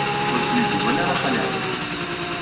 Ur kem-id-iwala ara Xali Ɛli.